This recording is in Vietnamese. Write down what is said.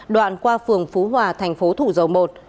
đoạn qua phường phú hòa thành phố thủ dầu một